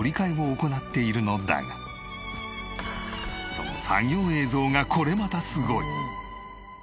その作業映像がこれまたすごい！